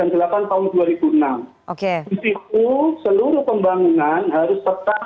yang sekarang adalah peraturan bersama